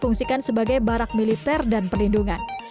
fungsikan sebagai barak militer dan perlindungan